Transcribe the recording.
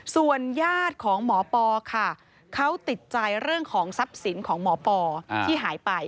ส่วนญาติของหมอปอค่ะเขาติดใจเรื่องของทรัพย์สินของหมอปอที่หายไป